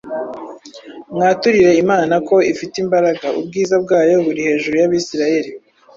Mwaturire Imana ko ifite imbaraga, ubwiza bwayo buri hejuru y’Abisirayeli,